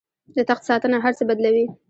د تخت ساتنه هر څه بدلوي.